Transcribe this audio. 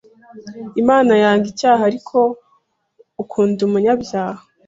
Imana yanga icyaha ariko ukunda umunyabyaha,